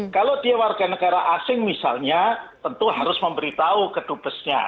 kalau dia warganegara asing misalnya tentu harus memberitahu kedubesnya